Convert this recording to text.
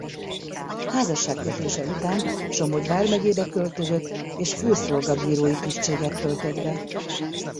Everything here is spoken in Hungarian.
Házasságkötése után Somogy vármegyébe költözött és főszolgabírói tisztséget töltött be.